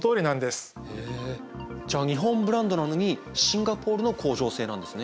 へえじゃあ日本ブランドなのにシンガポールの工場製なんですね。